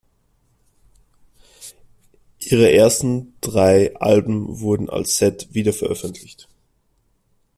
Ihre ersten drei Alben wurden als Set wiederveröffentlicht.